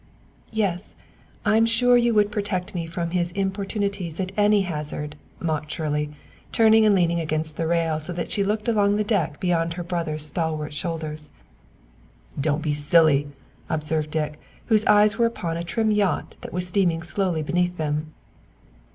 "Yes; I'm sure you would protect me from his importunities at any hazard," mocked Shirley, turning and leaning against the rail so that she looked along the deck beyond her brother's stalwart shoulders. "Don't be silly," observed Dick, whose eyes were upon a trim yacht that was steaming slowly beneath them.